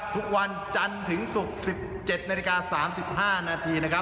ทุกวันจันทร์ถึงศุกร์๑๗นาฬิกา๓๕นาทีนะครับ